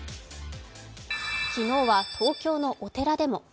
昨日は東京のお寺でも。